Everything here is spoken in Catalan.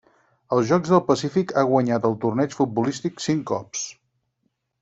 Als Jocs del Pacífic ha guanyat el torneig futbolístic cinc cops.